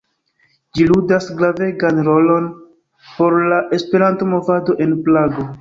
Ĝi ludas gravegan rolon por la Esperanto-movado en Prago.